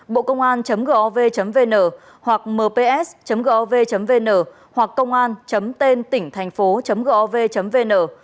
bộcôngan gov vn hoặc mps gov vn hoặc côngan tỉnhthànhphố gov vn